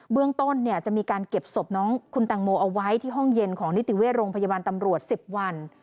เรื่องต้นจะมีการเก็บศพน้องคุณตังโมเอาไว้ที่ห้องเย็นของนิติเวชโรงพยาบาลตำรวจ๑๐วัน